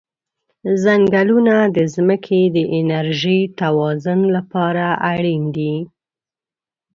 ځنګلونه د ځمکې د انرژی توازن لپاره اړین دي.